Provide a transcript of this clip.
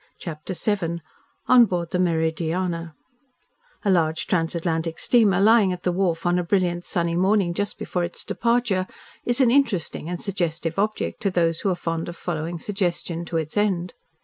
CHAPTER VII ON BOARD THE "MERIDIANA" A large transatlantic steamer lying at the wharf on a brilliant, sunny morning just before its departure is an interesting and suggestive object to those who are fond of following suggestion to its end.